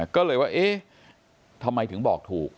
ก็เลยว่าเอ๊ะทำไมถึงบอกถูก